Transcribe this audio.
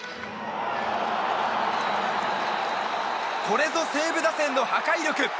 これぞ西武打線の破壊力。